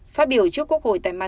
phát biểu trước quốc hội tài mạng